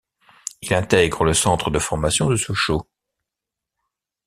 Il intègre le centre de formation de Sochaux.